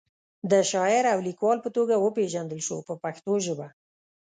د شاعر او لیکوال په توګه وپیژندل شو په پښتو ژبه.